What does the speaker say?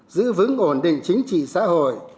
giữ vững ổn định chính trị xã hội